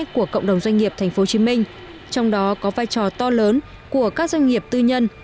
của cộng đồng doanh nghiệp tp hcm trong đó có vai trò to lớn của các doanh nghiệp tư nhân